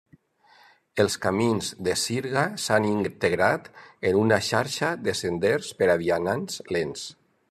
Els camins de sirga s'han integrat en una xarxa de senders per a vianants lents.